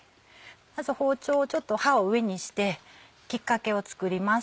まず包丁を刃を上にしてきっかけを作ります。